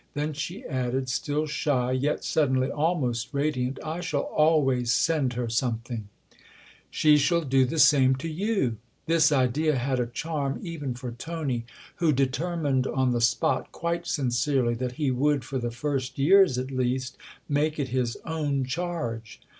Then she added, still shy, yet suddenly almost radiant :" I shall always send her something !"" She shall do the same to you !" This idea had a charm even for Tony, who determined on the spot, quite sincerely, that he would, for the first years at least, make it his own charge.